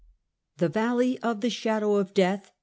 THE VALLEY OF THE SHADOW OF DEATH.